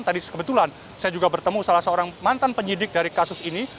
tadi kebetulan saya juga bertemu salah seorang mantan penyidik dari kasus ini